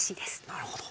なるほど。